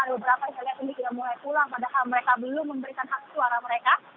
ada beberapa yang saya lihat ini sudah mulai pulang padahal mereka belum memberikan hak suara mereka